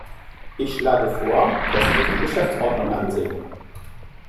Ich schlage vor, dass Sie sich die Geschäftsordnung ansehen.